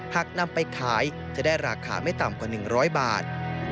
หากนำไปขายจะได้ราคาไม่ต่ำกว่า๑๐๐บาท